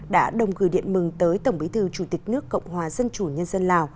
đã đồng gửi điện mừng tới tổng bí thư chủ tịch nước cộng hòa dân chủ nhân dân lào